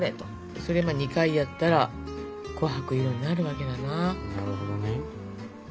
それ２回やったら琥珀色になるわけだな。